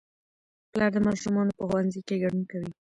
پلار د ماشومانو په ښوونځي کې ګډون کوي